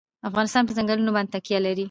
افغانستان په ځنګلونه باندې تکیه لري.